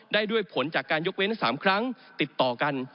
ได้ด้วยผลจากการยกเว้น๓ครั้งติดต่อกัน